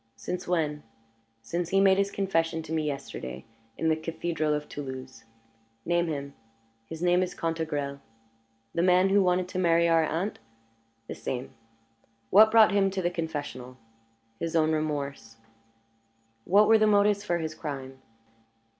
"Since when?" "Since he made his confession to me yesterday in the Cathedral of Toulouse." "Name him." "His name is Cantegrel." "The man who wanted to marry our aunt?" "The same." "What brought him to the confessional?" "His own remorse." "What were the motives for his crime?"